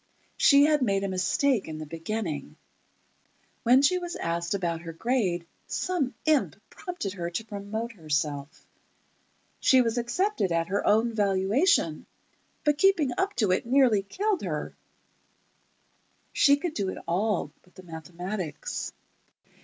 She had made a mistake in the beginning: When she was asked about her grade, some imp prompted her to promote herself. She was accepted at her own valuation, but keeping up to it nearly killed her. She could do it all but the mathematics.